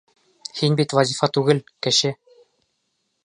Һин бит вазифа түгел, кеше!